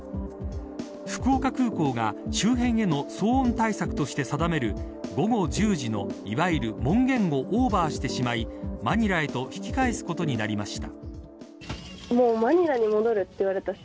福岡空港が周辺への騒音対策として定める午後１０時のいわゆる門限オーバーしてしまいマニラへと引き返すことになりました。